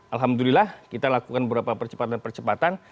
alhamdulillah kita lakukan beberapa percepatan percepatan